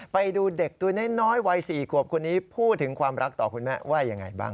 ไปดูเด็กตัวน้อยรถปี๑๒ควดพูดความรักต่อคุณแม่ว่าอย่างไรบ้าง